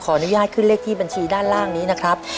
อนุญาตขึ้นเลขที่บัญชีด้านล่างนี้นะครับ